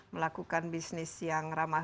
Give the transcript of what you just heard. melakukan bisnis yang ramah